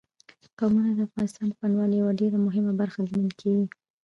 قومونه د افغانستان د بڼوالۍ یوه ډېره مهمه برخه ګڼل کېږي.